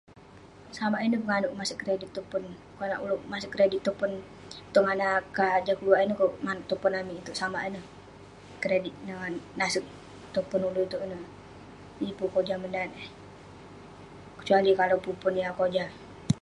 Samak ineh penganouk masek kredit tong pon, konak ulouk masek kredit pon..tong anah kah jah keluak ineh kerk manouk tong pon amik itouk..samak ineh...kredit ineh nasek tong pon ulouk itouk ineh..yeng pun kojah menat eh, kecuali kalau pun pon yah kojah.